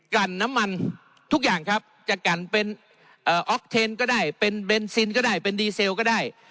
กันน้ำมันทุกอย่างครับจะกันเป็นออกเทนก็ได้เป็นเบนซินก็ได้เป็นดีเซลก็ได้